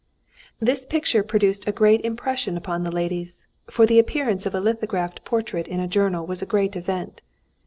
This picture produced a great impression upon the ladies, for the appearance of a lithographed portrait in a journal was a great event.